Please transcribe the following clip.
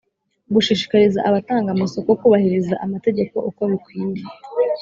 gushishikariza abatanga amasoko kubahiriza amategeko uko bikwiye